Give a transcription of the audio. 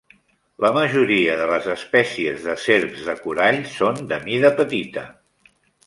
La majoria de les espècies de serps de corall són de mida petita.